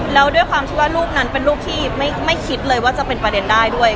แล้วด้วยความที่ว่ารูปนั้นเป็นรูปที่ไม่คิดเลยว่าจะเป็นประเด็นได้ด้วย